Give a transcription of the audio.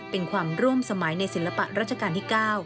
เป็นความร่วมสมัยในศิลปะรัชกาลที่๙